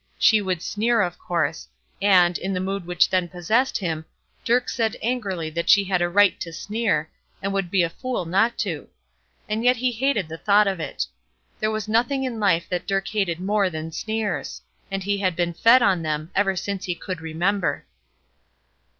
She would sneer, of course: and, in the mood which then possessed him, Dirk said angrily that she had a right to sneer, and would be a fool not to; and yet he hated the thought of it. There was nothing in life that Dirk hated more than sneers; and he had been fed on them ever since he could remember.